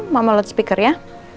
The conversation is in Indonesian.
mama lot speaker ya